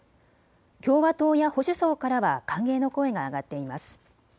共和党や保守層からは歓迎の声が上がっています。